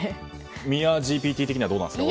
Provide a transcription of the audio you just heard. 宮ＧＰＴ的にはどうなんですか？